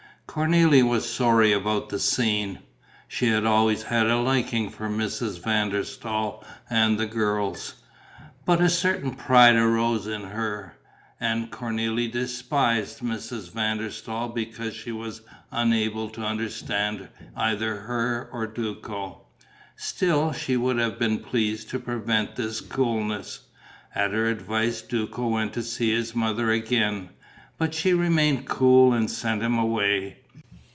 Cornélie was sorry about the scene: she had always had a liking for Mrs. van der Staal and the girls. But a certain pride arose in her; and Cornélie despised Mrs. van der Staal because she was unable to understand either her or Duco. Still, she would have been pleased to prevent this coolness. At her advice Duco went to see his mother again, but she remained cool and sent him away.